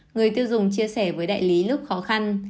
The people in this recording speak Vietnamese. người tiêu dùng chia sẻ với đại lý lúc khó khăn